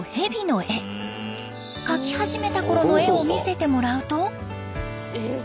描き始めたころの絵を見せてもらうと。